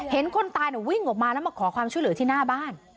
คนตายวิ่งออกมาแล้วมาขอความช่วยเหลือที่หน้าบ้าน